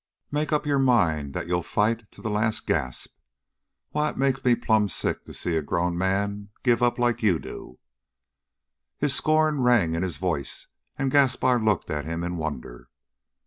Make up your mind that you'll fight to the last gasp. Why, it makes me plumb sick to see a grown man give up like you do!" His scorn rang in his voice, and Gaspar looked at him in wonder.